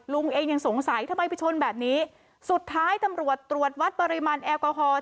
ลุงเองยังสงสัยทำไมไปชนแบบนี้สุดท้ายตำรวจตรวจวัดปริมาณแอลกอฮอล์